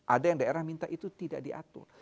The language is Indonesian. ada yang daerah minta itu tidak diatur